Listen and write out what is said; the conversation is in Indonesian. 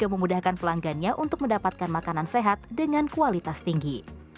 memudahkan pelanggannya untuk mendapatkan makanan sehat dengan kualitas tinggi